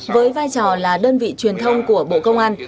với vai trò là đơn vị truyền thông của bộ công an